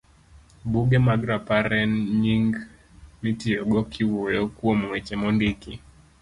Buge mag Rapar en nying mitiyogo kiwuoyo kuom weche mondiki